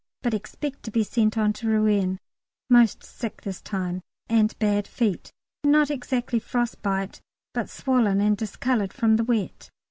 but expect to be sent on to Rouen: most sick this time, and bad feet, not exactly frost bite, but swollen and discoloured from the wet.